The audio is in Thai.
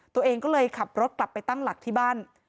ตัวเองก็เลยขับรถกลับไปตั้งหลักที่บ้าน